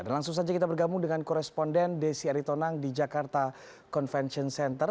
dan langsung saja kita bergabung dengan koresponden desi aritonang di jakarta convention center